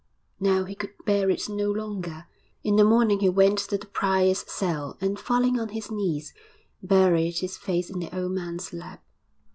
Now he could bear it no longer. In the morning he went to the prior's cell, and, falling on his knees, buried his face in the old man's lap.